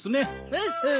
ほうほう。